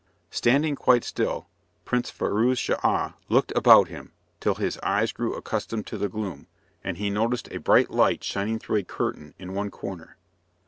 Standing quite still, Prince Firouz Schah looked about him, till his eyes grew accustomed to the gloom, and he noticed a bright light shining through a curtain in one corner.